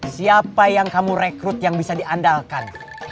siapa yang kamu rekrut yang bisa diandalkan